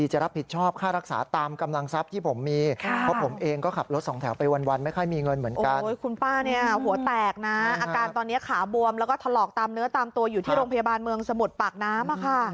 หลอกตามเนื้อตามตัวอยู่ที่โรงพยาบาลเมืองสมุดปากน้ำ